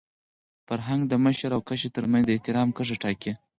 فرهنګ د مشر او کشر تر منځ د احترام کرښه ټاکي.